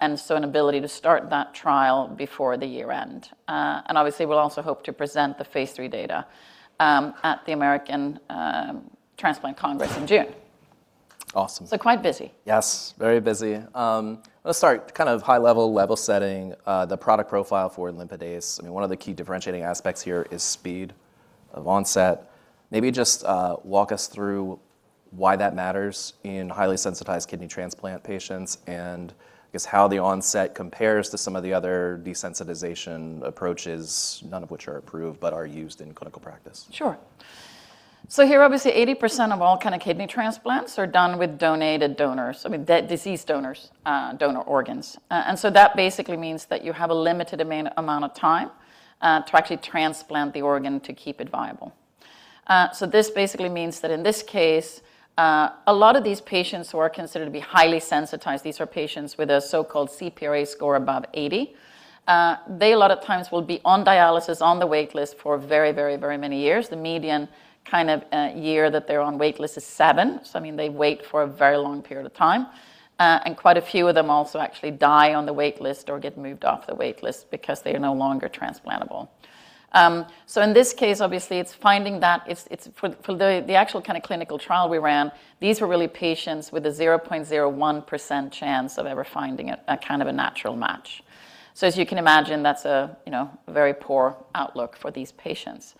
An ability to start that trial before the year-end. Obviously, we'll also hope to present the phase 3 data at the American Transplant Congress in June. Awesome. Quite busy. Yes, very busy. Let's start kind of high level setting, the product profile for imlifidase. I mean, one of the key differentiating aspects here is speed of onset. Maybe just walk us through why that matters in highly sensitized kidney transplant patients and guess how the onset compares to some of the other desensitization approaches, none of which are approved but are used in clinical practice? Sure. Here, obviously, 80% of all kind of kidney transplants are done with donated donors, I mean, dead-- diseased donors, donor organs. That basically means that you have a limited amount of time to actually transplant the organ to keep it viable. This basically means that in this case, a lot of these patients who are considered to be highly sensitized, these are patients with a so-called CPRA score above 80. They a lot of times will be on dialysis on the wait list for very many years. The median kind of year that they're on wait list is seven. I mean, they wait for a very long period of time. Quite a few of them also actually die on the wait list or get moved off the wait list because they are no longer transplantable. In this case, obviously, it's finding that it's for the actual kind of clinical trial we ran, these were really patients with a 0.01% chance of ever finding a kind of a natural match. As you can imagine, that's a, you know, very poor outlook for these patients.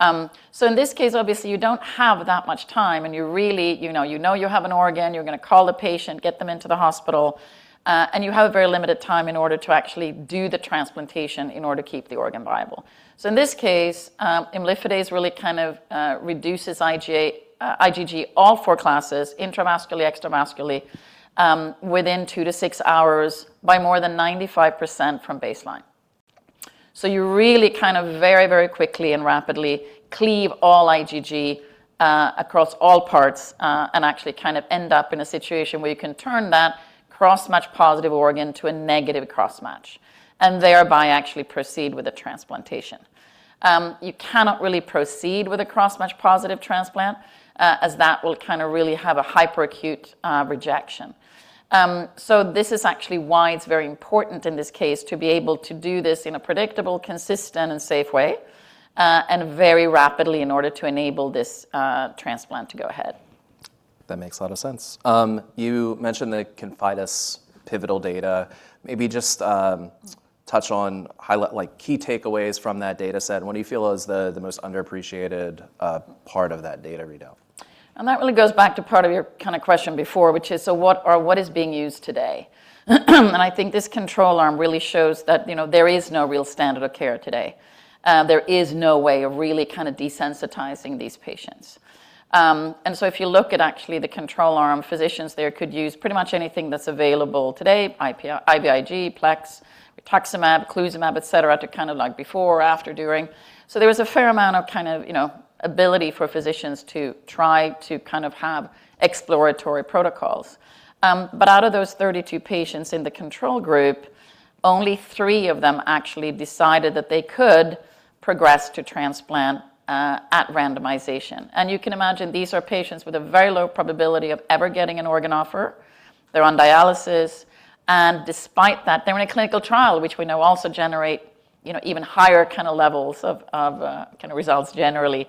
In this case, obviously, you don't have that much time, and you really, you know you have an organ, you're gonna call the patient, get them into the hospital, and you have a very limited time in order to actually do the transplantation in order to keep the organ viable. In this case, imlifidase really kind of reduces IgG, all four classes, intravascularly, extravascularly, within two-six hours by more than 95% from baseline. You really kind of very, very quickly and rapidly cleave all IgG across all parts and actually kind of end up in a situation where you can turn that cross-match positive organ to a negative cross-match and thereby actually proceed with the transplantation. You cannot really proceed with a cross-match positive transplant, as that will kinda really have a hyperacute rejection. This is actually why it's very important in this case to be able to do this in a predictable, consistent, and safe way and very rapidly in order to enable this transplant to go ahead. That makes a lot of sense. You mentioned the ConfIdeS pivotal data. Maybe just, touch on highlight like key takeaways from that data set, and what do you feel is the most underappreciated, part of that data readout? That really goes back to part of your kind of question before, which is, so what is being used today? I think this control arm really shows that, you know, there is no real standard of care today. There is no way of really kind of desensitizing these patients. If you look at actually the control arm, physicians there could use pretty much anything that's available today, IVIG, Plex, Rituximab, Eculizumab, etc., to kind of like before or after, during. There was a fair amount of kind of, you know, ability for physicians to try to kind of have exploratory protocols. Out of those 32 patients in the control group, only three of them actually decided that they could progress to transplant at randomization. You can imagine these are patients with a very low probability of ever getting an organ offer. They're on dialysis. Despite that, they're in a clinical trial, which we know also generate, you know, even higher kinda levels of kinda results generally.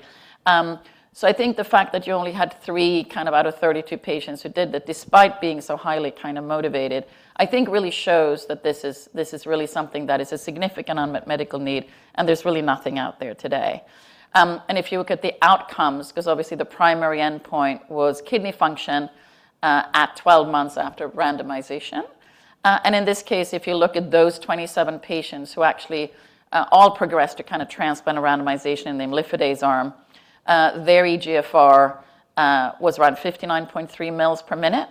I think the fact that you only had three kind of out of 32 patients who did that despite being so highly kinda motivated, I think really shows that this is really something that is a significant unmet medical need, and there's really nothing out there today. If you look at the outcomes, 'cause obviously the primary endpoint was kidney function, at 12 months after randomization. In this case, if you look at those 27 patients who actually all progressed to kinda transplant or randomization in the imlifidase arm, their eGFR was around 59.3 mils per minute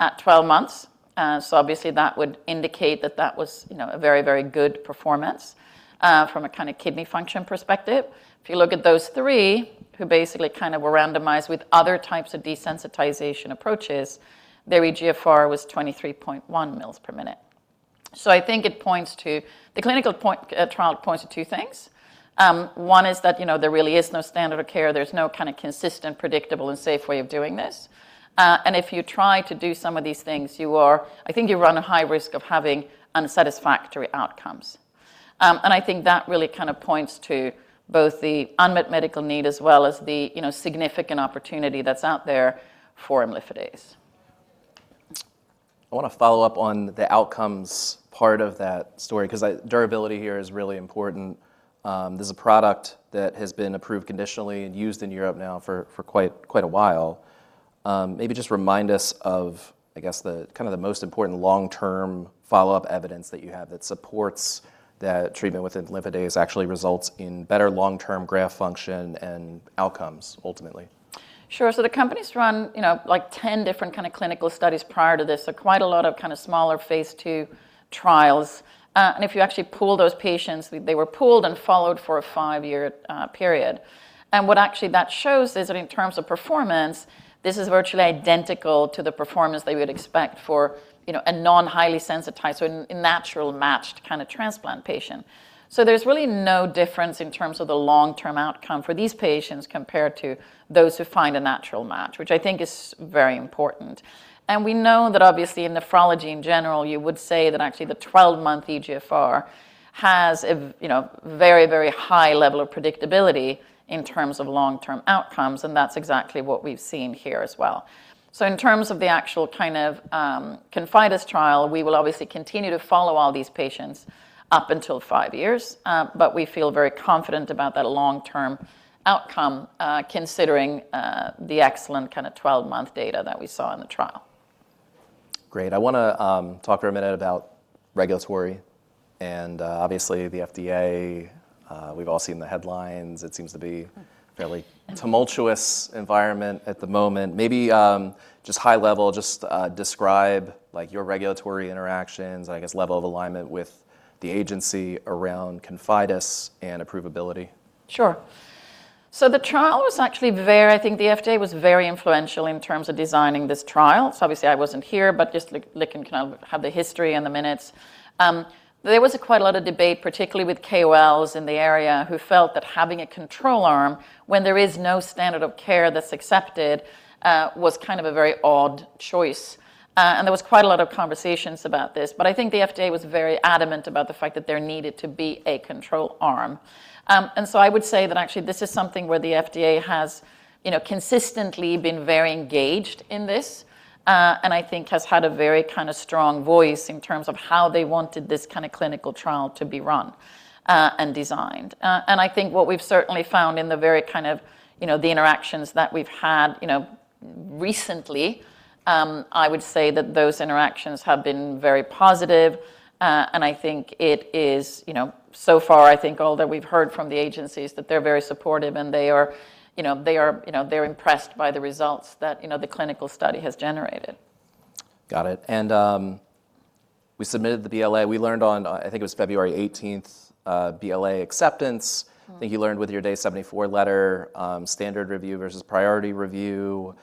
at 12 months. Obviously, that would indicate that that was, you know, a very, very good performance from a kinda kidney function perspective. If you look at those three who basically kind of were randomized with other types of desensitization approaches, their eGFR was 23.1 mils per minute. I think the clinical point, trial points to two things. One is that, you know, there really is no standard of care. There's no kinda consistent, predictable, and safe way of doing this. If you try to do some of these things, I think you run a high risk of having unsatisfactory outcomes. I think that really kind of points to both the unmet medical need as well as the, you know, significant opportunity that's out there for imlifidase. I wanna follow up on the outcomes part of that story 'cause durability here is really important. This is a product that has been approved conditionally and used in Europe now for quite a while. Maybe just remind us of, I guess, the kinda the most important long-term follow-up evidence that you have that supports that treatment with imlifidase actually results in better long-term graft function and outcomes ultimately. The company's run, you know, like 10 different kinda clinical studies prior to this. Quite a lot of kinda smaller phase 2 trials. If you actually pool those patients, they were pooled and followed for a five-year period. What actually that shows is that in terms of performance, this is virtually identical to the performance that we would expect for, you know, a non-highly sensitized or natural matched kinda transplant patient. There's really no difference in terms of the long-term outcome for these patients compared to those who find a natural match, which I think is very important. We know that obviously in nephrology in general, you would say that actually the 12-month eGFR has a you know, very, very high level of predictability in terms of long-term outcomes, and that's exactly what we've seen here as well. In terms of the actual kind of, ConfIdeS trial, we will obviously continue to follow all these patients up until five years, but we feel very confident about that long-term outcome, considering the excellent kinda 12-month data that we saw in the trial. Great. I wanna talk for a minute about regulatory and, obviously, the FDA, we've all seen the headlines. It seems to be fairly tumultuous environment at the moment. Maybe, just high level, just describe, like, your regulatory interactions, I guess level of alignment with the agency around ConfIdeS and approvability. Sure. The trial was actually I think the FDA was very influential in terms of designing this trial. Obviously, I wasn't here, but just Lick, Licken can kind of have the history and the minutes. There was quite a lot of debate, particularly with KOLs in the area, who felt that having a control arm when there is no standard of care that's accepted, was kind of a very odd choice. There was quite a lot of conversations about this. I think the FDA was very adamant about the fact that there needed to be a control arm. I would say that actually this is something where the FDA has, you know, consistently been very engaged in this, and I think has had a very kind of strong voice in terms of how they wanted this kind of clinical trial to be run, and designed. I think what we've certainly found in the very kind of, you know, the interactions that we've had, you know, recently, I would say that those interactions have been very positive. I think it is, you know, so far, I think all that we've heard from the agencies that they're very supportive and they are, you know, they're impressed by the results that, you know, the clinical study has generated. Got it. We submitted the BLA. We learned on, I think it was February 18th, BLA acceptance. Mm-hmm. I think you learned with your day 74 letter, standard review versus priority review.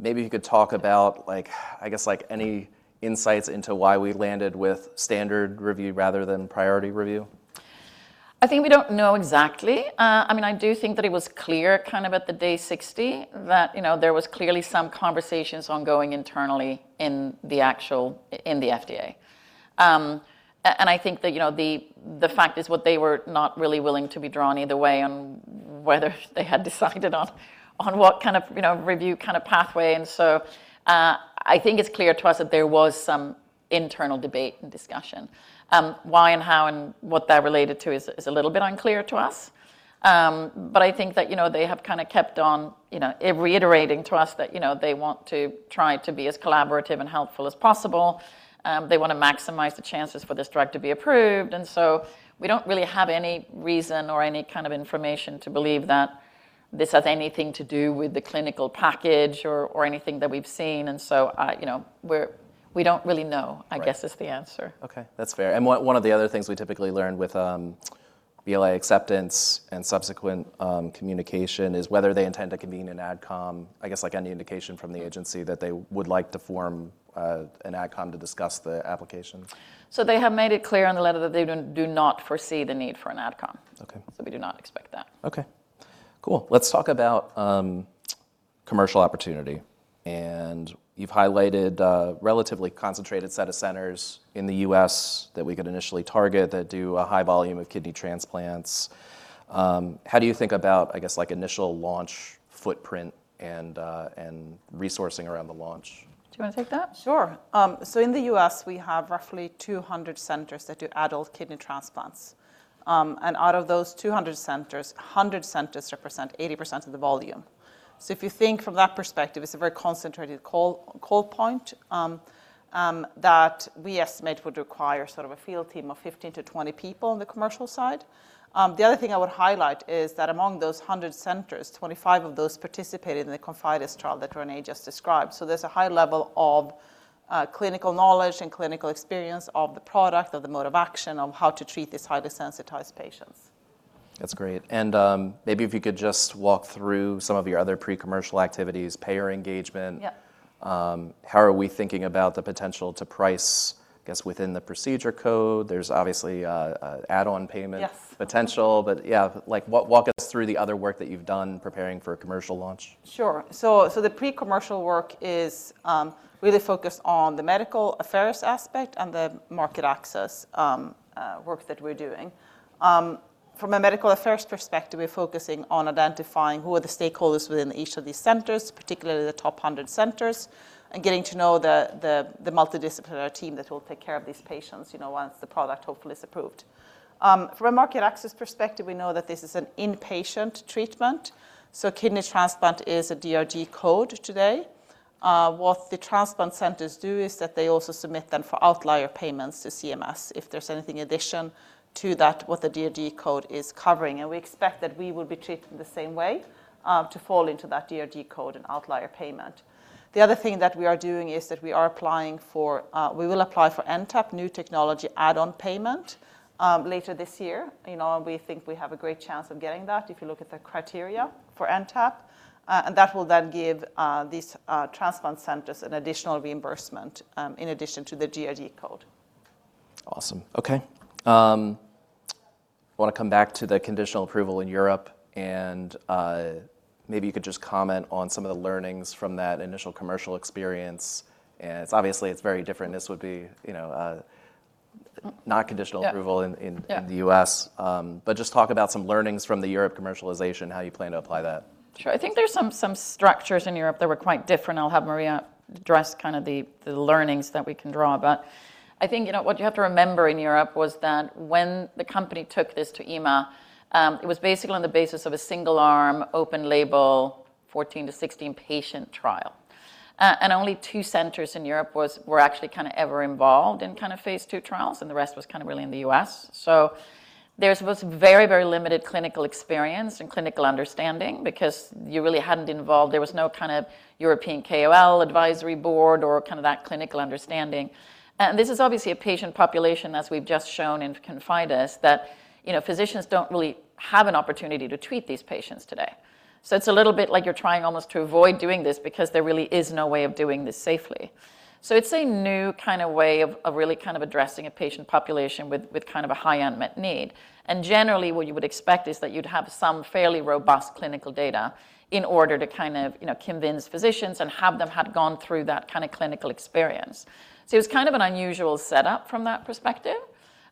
Maybe you could talk about, like, I guess, like, any insights into why we landed with standard review rather than priority review. I think we don't know exactly. I mean, I do think that it was clear kind of at the day 60 that, you know, there was clearly some conversations ongoing internally in the actual FDA. I think that, you know, the fact is what they were not really willing to be drawn either way on whether they had decided on what kind of, you know, review kind of pathway. I think it's clear to us that there was some internal debate and discussion. Why and how and what that related to is a little bit unclear to us. I think that, you know, they have kinda kept on, you know, it reiterating to us that, you know, they want to try to be as collaborative and helpful as possible. They wanna maximize the chances for this drug to be approved. We don't really have any reason or any kind of information to believe that this has anything to do with the clinical package or anything that we've seen. You know, we don't really know. Right I guess, is the answer. Okay, that's fair. One of the other things we typically learn with BLA acceptance and subsequent communication is whether they intend to convene an AdCom, I guess, like any indication from the agency that they would like to form an AdCom to discuss the application. They have made it clear on the letter that they do not foresee the need for an AdCom. Okay. We do not expect that. Okay, cool. Let's talk about commercial opportunity. You've highlighted a relatively concentrated set of centers in the U.S. that we could initially target that do a high volume of kidney transplants. How do you think about, I guess, like, initial launch footprint and resourcing around the launch? Do you wanna take that? Sure. In the U.S., we have roughly 200 centers that do adult kidney transplants. Out of those 200 centers, 100 centers represent 80% of the volume. If you think from that perspective, it's a very concentrated coal point that we estimate would require sort of a field team of 15-20 people on the commercial side. The other thing I would highlight is that among those 100 centers, 25 of those participated in the ConfIdeS trial that Renée just described. There's a high level of clinical knowledge and clinical experience of the product, of the mode of action, of how to treat these highly sensitized patients. That's great. Maybe if you could just walk through some of your other pre-commercial activities, payer engagement. Yeah. How are we thinking about the potential to price, I guess, within the procedure code? There's obviously, add-on payment. Yeah ...potential. Yeah, like, walk us through the other work that you've done preparing for a commercial launch. Sure. The pre-commercial work is really focused on the medical affairs aspect and the market access work that we're doing. From a medical affairs perspective, we're focusing on identifying who are the stakeholders within each of these centers, particularly the top 100 centers, and getting to know the multidisciplinary team that will take care of these patients, you know, once the product hopefully is approved. From a market access perspective, we know that this is an inpatient treatment, kidney transplant is a DRG code today. What the transplant centers do is that they also submit them for outlier payments to CMS if there's anything in addition to that, what the DRG code is covering. We expect that we will be treated the same way to fall into that DRG code and outlier payment. The other thing that we are doing is that we are applying for, we will apply for NTAP, New Technology Add-on Payment, later this year. You know, we think we have a great chance of getting that if you look at the criteria for NTAP. That will then give these transplant centers an additional reimbursement, in addition to the DRG code. Awesome. Okay. Wanna come back to the conditional approval in Europe, maybe you could just comment on some of the learnings from that initial commercial experience. It's obviously, it's very different. This would be, you know, not conditional- Yeah ...approval. Yeah ...in the U.S. Just talk about some learnings from the Europe commercialization, how you plan to apply that. Sure. I think there's some structures in Europe that were quite different. I'll have Maria address kind of the learnings that we can draw. I think, you know, what you have to remember in Europe was that when the company took this to EMA, it was basically on the basis of a single arm, open-label 14 - 16 patient trial. Only two centers in Europe were actually kinda ever involved in kinda phase 2 trials, and the rest was kinda really in the U.S. There was very, very limited clinical experience and clinical understanding because you really hadn't involved. There was no kind of European KOL advisory board or kinda that clinical understanding. This is obviously a patient population, as we've just shown in ConfIdeS, that, you know, physicians don't really have an opportunity to treat these patients today. It's a little bit like you're trying almost to avoid doing this because there really is no way of doing this safely. It's a new kinda way of really kind of addressing a patient population with kind of a high unmet need. Generally, what you would expect is that you'd have some fairly robust clinical data in order to kind of, you know, convince physicians and have them had gone through that kinda clinical experience. It's kind of an unusual setup from that perspective.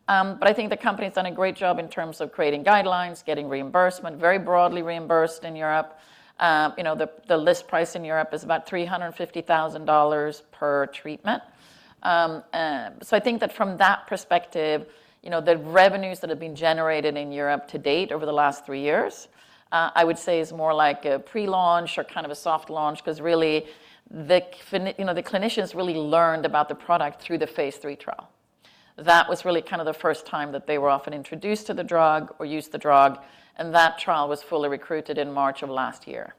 I think the company's done a great job in terms of creating guidelines, getting reimbursement, very broadly reimbursed in Europe. You know, the list price in Europe is about $350,000 per treatment. I think that from that perspective, you know, the revenues that have been generated in Europe to date over the last three years, I would say is more like a pre-launch or kind of a soft launch, because really you know, the clinicians really learned about the product through the phase 3 trial. That was really kind of the first time that they were often introduced to the drug or used the drug, and that trial was fully recruited in March of last year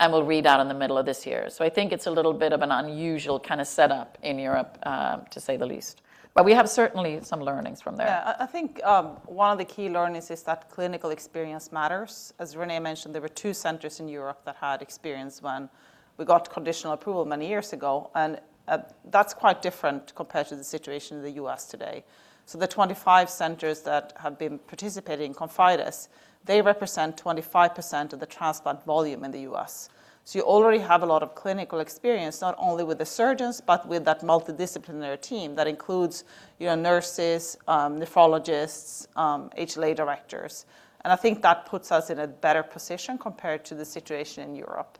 and will read out in the middle of this year. I think it's a little bit of an unusual kind of setup in Europe, to say the least. We have certainly some learnings from there. Yeah. I think one of the key learnings is that clinical experience matters. As Renée mentioned, there were two centers in Europe that had experience when we got conditional approval many years ago, and that's quite different compared to the situation in the U.S. today. The 25 centers that have been participating in ConfIdeS, they represent 25% of the transplant volume in the U.S. You already have a lot of clinical experience, not only with the surgeons, but with that multidisciplinary team that includes your nurses, nephrologists, HLA directors, and I think that puts us in a better position compared to the situation in Europe.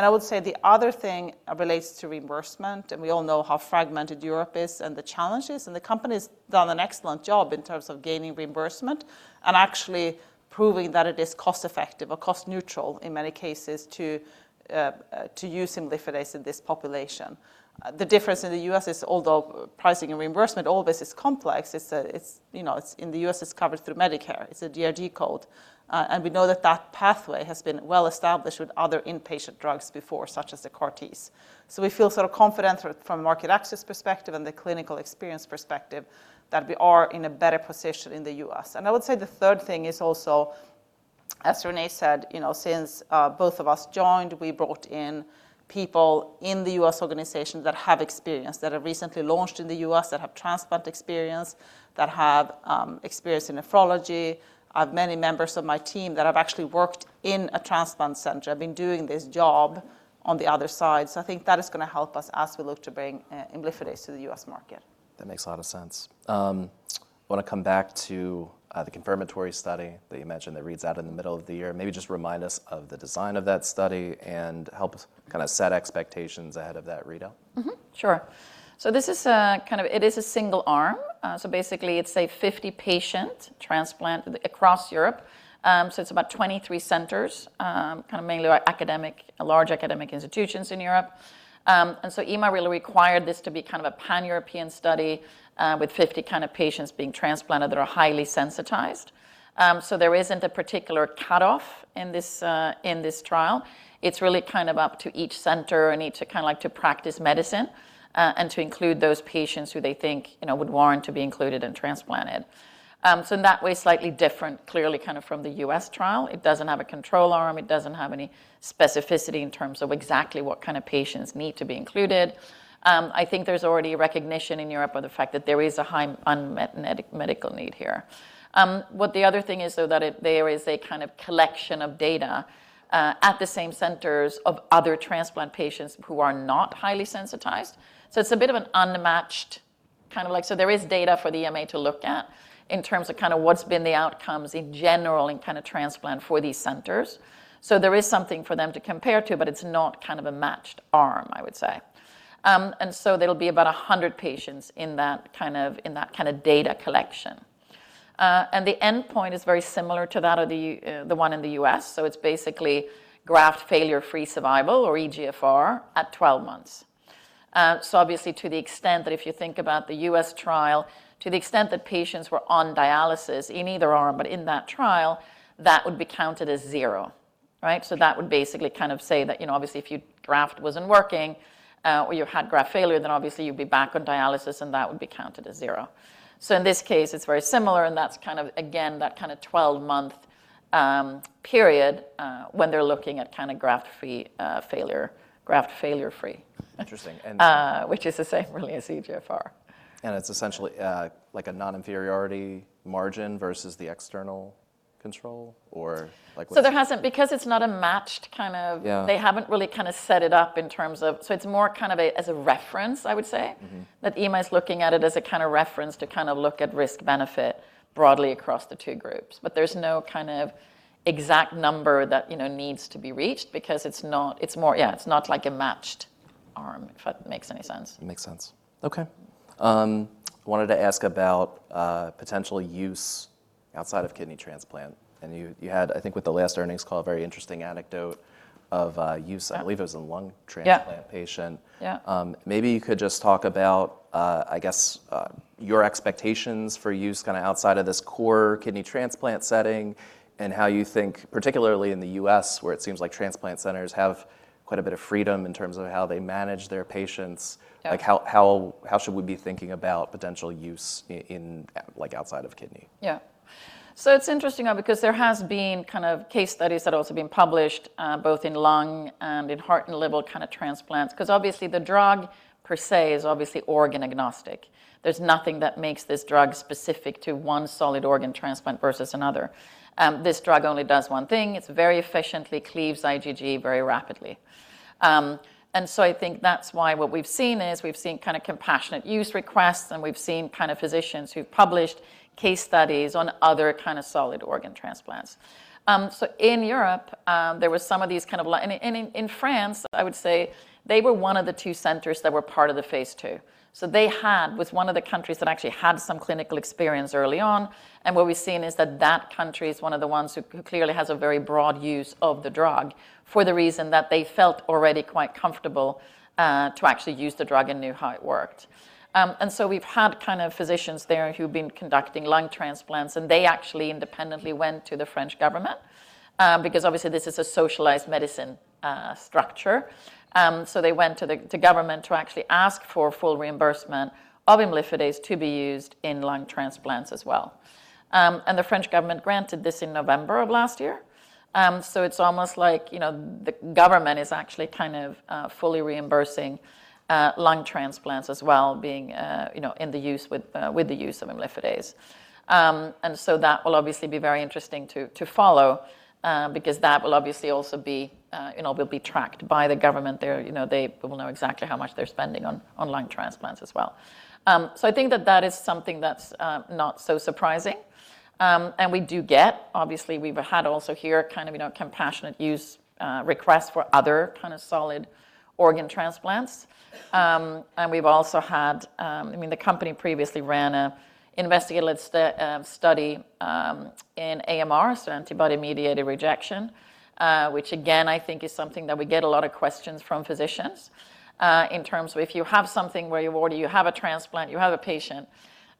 I would say the other thing relates to reimbursement, and we all know how fragmented Europe is and the challenges, and the company's done an excellent job in terms of gaining reimbursement and actually proving that it is cost-effective or cost-neutral in many cases to use imlifidase in this population. The difference in the U.S. is although pricing and reimbursement, all this is complex, it's, you know, it's in the U.S., it's covered through Medicare. It's a DRG code. We know that that pathway has been well established with other inpatient drugs before, such as Tecartus. We feel sort of confident from market access perspective and the clinical experience perspective that we are in a better position in the U.S. I would say the third thing is also, as Renée said, you know, since both of us joined, we brought in people in the U.S. organization that have experience, that have recently launched in the U.S., that have transplant experience, that have experience in nephrology. I have many members of my team that have actually worked in a transplant center, have been doing this job on the other side. I think that is gonna help us as we look to bring EMFLAZA to the U.S. market. That makes a lot of sense. Wanna come back to the confirmatory study that you mentioned that reads out in the middle of the year. Maybe just remind us of the design of that study and help kind of set expectations ahead of that readout. Sure. It is a single arm. Basically it's say 50 patient transplant across Europe. It's about 23 centers, mainly our large academic institutions in Europe. EMA really required this to be a pan-European study, with 50 patients being transplanted that are highly sensitized. There isn't a particular cutoff in this, in this trial. It's really up to each center and each to kinda like to practice medicine, and to include those patients who they think, you know, would warrant to be included and transplanted. In that way, slightly different clearly from the US trial. It doesn't have a control arm. It doesn't have any specificity in terms of exactly what kind of patients need to be included. I think there's already recognition in Europe of the fact that there is a high unmet medical need here. What the other thing is, though, that there is a kind of collection of data at the same centers of other transplant patients who are not highly sensitized. It's a bit of an unmatched kind of. There is data for the EMA to look at in terms of kinda what's been the outcomes in general in kinda transplant for these centers. There is something for them to compare to, but it's not kind of a matched arm, I would say. There'll be about 100 patients in that kind of data collection. The endpoint is very similar to that of the one in the U.S. It's basically graft failure, free survival or eGFR at 12 months. Obviously, to the extent that if you think about the US trial, to the extent that patients were on dialysis in either arm, but in that trial, that would be counted as zero, right? That would basically kinda say that, you know, obviously, if your graft wasn't working, or you had graft failure, then obviously you'd be back on dialysis, and that would be counted as zero. In this case, it's very similar, and that's kinda again, that kinda 12-month period, when they're looking at kinda graft free, failure, graft failure free- Interesting. which is the same really as eGFR. It's essentially, like a non-inferiority margin versus the external control or like. Because it's not a matched kind of. Yeah They haven't really kinda set it up in terms of. It's more kind of a, as a reference, I would say. Mm-hmm. That EMA is looking at it as a kinda reference to kinda look at risk-benefit broadly across the two groups. There's no kind of exact number that, you know, needs to be reached because it's not, it's more... Yeah, it's not like a matched-arm, if that makes any sense. It makes sense. Okay. Wanted to ask about potential use outside of kidney transplant. You, you had, I think with the last earnings call, a very interesting anecdote of use. I believe it was a lung transplant patient. Yeah. Maybe you could just talk about, I guess, your expectations for use kinda outside of this core kidney transplant setting and how you think, particularly in the U.S., where it seems like transplant centers have quite a bit of freedom in terms of how they manage their patients. Yeah. Like, how should we be thinking about potential use in, like outside of kidney? Yeah. It's interesting now because there has been kind of case studies that have also been published, both in lung and in heart and liver kind of transplants, because obviously the drug per se is obviously organ agnostic. There's nothing that makes this drug specific to one solid organ transplant versus another. This drug only does one thing. It very efficiently cleaves IgG very rapidly. I think that's why what we've seen is we've seen kind of compassionate use requests, and we've seen kind of physicians who've published case studies on other kind of solid organ transplants. In Europe, there was some of these kind of In France, I would say they were one of the two centers that were part of the phase 2. They had, was one of the countries that actually had some clinical experience early on. What we've seen is that that country is one of the ones who clearly has a very broad use of the drug for the reason that they felt already quite comfortable to actually use the drug and knew how it worked. We've had kind of physicians there who've been conducting lung transplants, and they actually independently went to the French government because obviously this is a socialized medicine structure. They went to the government to actually ask for full reimbursement of imlifidase to be used in lung transplants as well. The French government granted this in November of last year. It's almost like, you know, the government is actually kind of fully reimbursing lung transplants as well, being, you know, in the use with the use of imlifidase. That will obviously be very interesting to follow, because that will obviously also be, you know, will be tracked by the government there. You know, they will know exactly how much they're spending on lung transplants as well. I think that that is something that's not so surprising. Obviously, we've had also here kind of, you know, compassionate use requests for other kind of solid organ transplants. We've also had, the company previously ran an investigative study in AMR, so antibody-mediated rejection, which again I think is something that we get a lot of questions from physicians in terms of if you have something where you have a transplant, you have a patient,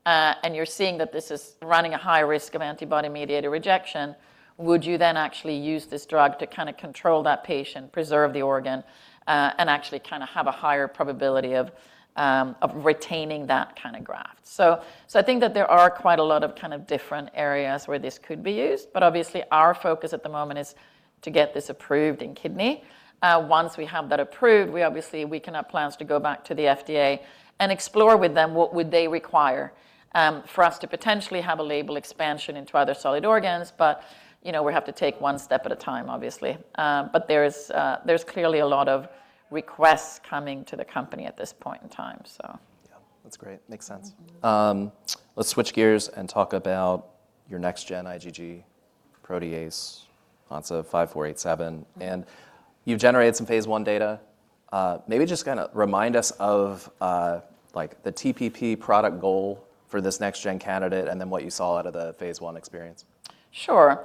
and you're seeing that this is running a high risk of antibody-mediated rejection, would you then actually use this drug to kinda control that patient, preserve the organ, and actually kinda have a higher probability of retaining that kind of graft? I think that there are quite a lot of kind of different areas where this could be used, but obviously our focus at the moment is to get this approved in kidney. Once we have that approved, we can have plans to go back to the FDA and explore with them what would they require for us to potentially have a label expansion into other solid organs. You know, we have to take one step at a time, obviously. There's clearly a lot of requests coming to the company at this point in time, so. Yeah. That's great. Makes sense. Mm-hmm. Let's switch gears and talk about your next-gen IgG protease, HNSA-5487. You've generated some phase I data. Maybe just kinda remind us of the TPP product goal for this next-gen candidate and then what you saw out of the phase I experience. Sure.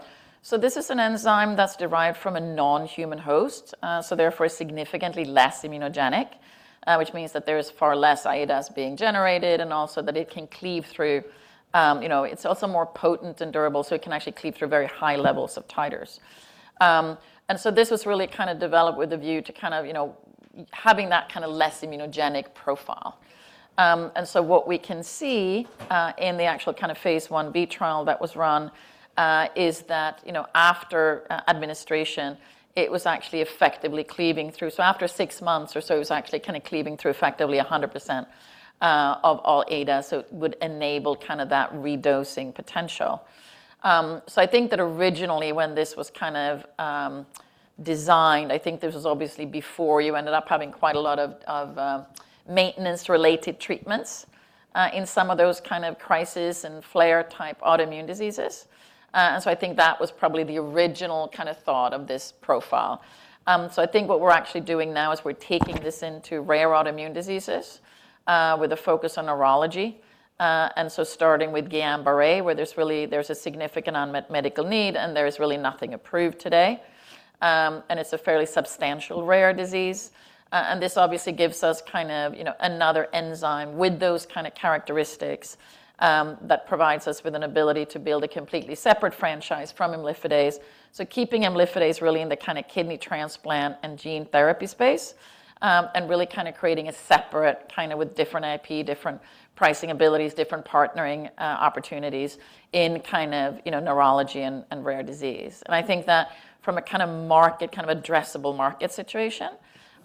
This is an enzyme that's derived from a non-human host, therefore significantly less immunogenic, which means that there is far less ADAs being generated and also that it can cleave through, you know. It's also more potent and durable, so it can actually cleave through very high levels of titers. This was really developed with a view to, you know, having that kind of less immunogenic profile. What we can see in the actual phase 1b trial that was run is that, you know, after administration, it was actually effectively cleaving through. After six months or so, it was actually cleaving through effectively 100% of all ADAs, so it would enable that redosing potential. I think that originally when this was kind of designed, I think this was obviously before you ended up having quite a lot of maintenance-related treatments in some of those kind of crisis and flare-type autoimmune diseases. I think that was probably the original kind of thought of this profile. I think what we're actually doing now is we're taking this into rare autoimmune diseases with a focus on neurology. Starting with Guillain-Barré, where there's a significant unmet medical need, and there's really nothing approved today. It's a fairly substantial rare disease. This obviously gives us kind of, you know, another enzyme with those kind of characteristics that provides us with an ability to build a completely separate franchise from imlifidase. So keeping imlifidase really in the kind of kidney transplant and gene therapy space, and really kind of creating a separate, kind of with different IP, different pricing abilities, different partnering opportunities in kind of, you know, neurology and rare disease. I think that from a kind of market, kind of addressable market situation,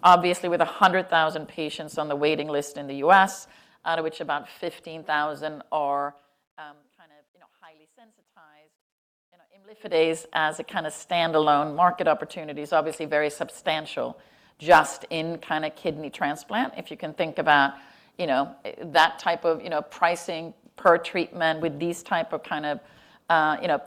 obviously with 100,000 patients on the waiting list in the U.S., out of which about 15,000 are, you know, highly sensitized. Imlifidase as a kind of standalone market opportunity is obviously very substantial just in kind of kidney transplant. If you can think about, you know, that type of, you know, pricing per treatment with these type of kind of,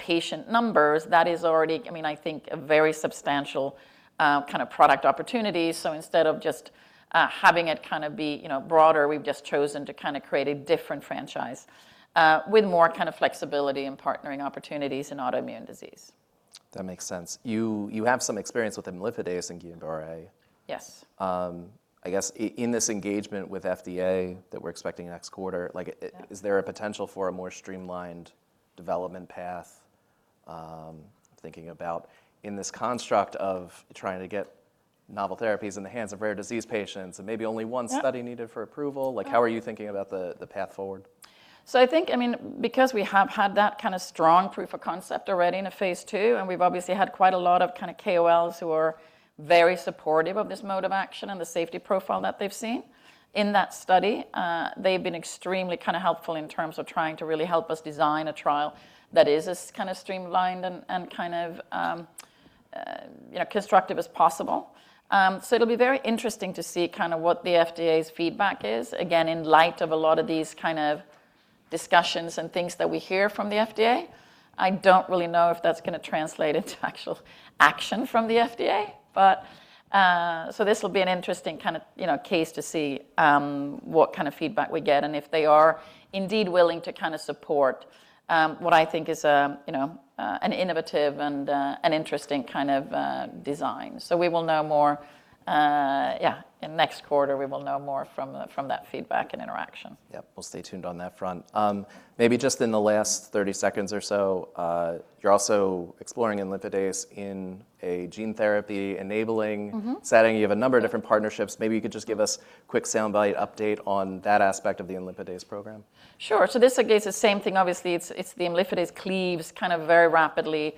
patient numbers, that is already, I mean, I think, a very substantial kind of product opportunity. Instead of just having it kind of be, you know, broader, we've just chosen to kind of create a different franchise with more kind of flexibility and partnering opportunities in autoimmune disease. That makes sense. You have some experience with imlifidase and Guillain-Barré. Yes. I guess in this engagement with FDA that we're expecting next quarter, like, is there a potential for a more streamlined development path? thinking about in this construct of trying to get novel therapies in the hands of rare disease patients, and maybe only one study- Yep... needed for approval. Like, how are you thinking about the path forward? I think, I mean, because we have had that kind of strong proof of concept already in a phase 2, and we've obviously had quite a lot of kind of KOLs who are very supportive of this mode of action and the safety profile that they've seen in that study, they've been extremely kind of helpful in terms of trying to really help us design a trial that is as kind of streamlined and kind of, you know, constructive as possible. It'll be very interesting to see kind of what the FDA's feedback is. In light of a lot of these kind of discussions and things that we hear from the FDA, I don't really know if that's gonna translate into actual action from the FDA. This will be an interesting kind of, you know, case to see what kind of feedback we get and if they are indeed willing to kind of support what I think is, you know, an innovative and an interesting kind of design. We will know more, yeah, in next quarter, we will know more from that feedback and interaction. Yep. We'll stay tuned on that front. Maybe just in the last 30 seconds or so, you're also exploring imlifidase in a gene therapy-enabling- Mm-hmm... setting. You have a number of different partnerships. Maybe you could just give us quick soundbite update on that aspect of the imlifidase program. Sure. This, again, is the same thing obviously. It's the imlifidase cleaves kind of very rapidly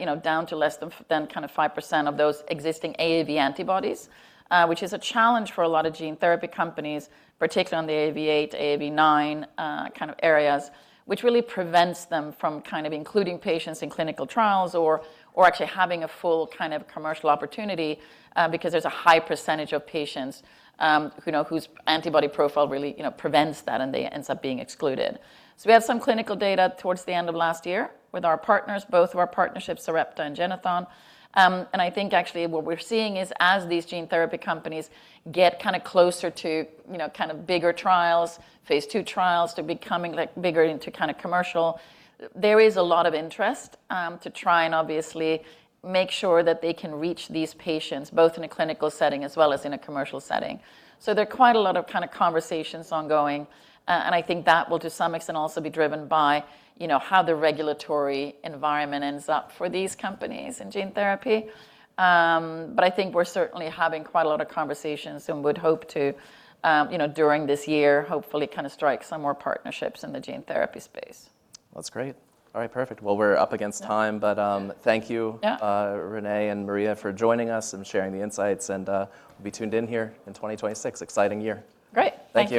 you know, down to less than kind of 5% of those existing AAV antibodies, which is a challenge for a lot of gene therapy companies, particularly on the AAV8 - AAV9 kind of areas, which really prevents them from kind of including patients in clinical trials or actually having a full kind of commercial opportunity, because there's a high percentage of patients, you know, whose antibody profile really, you know, prevents that and they ends up being excluded. We have some clinical data towards the end of last year with our partners, both of our partnerships, Sarepta and Genethon. I think actually what we're seeing is as these gene therapy companies get kind of closer to, you know, kind of bigger trials, phase 2 trials, to becoming like bigger into kind of commercial, there is a lot of interest to try and obviously make sure that they can reach these patients, both in a clinical setting as well as in a commercial setting. There are quite a lot of kind of conversations ongoing, and I think that will to some extent also be driven by, you know, how the regulatory environment ends up for these companies in gene therapy. I think we're certainly having quite a lot of conversations and would hope to, you know, during this year, hopefully kind of strike some more partnerships in the gene therapy space. That's great. All right. Perfect. Well, we're up against time. Yeah thank you. Yeah... Renée and Maria for joining us and sharing the insights. We'll be tuned in here in 2026. Exciting year. Great. Thank you.